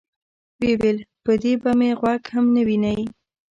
ویل یې: په دې به مې غوږ هم نه وینئ.